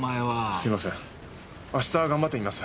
すいません明日頑張ってみます。